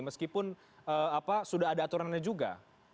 meskipun sudah ada aturannya juga